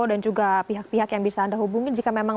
dan juga pihak pihak yang bisa anda hubungi jika memang menemukan ini